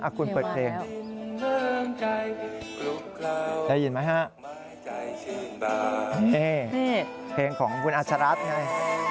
อ้าวคุณเปิดเพลงได้ยินไหมฮะนี่เพลงของคุณอาชรัตน์ไง